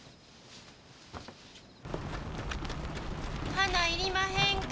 花いりまへんか？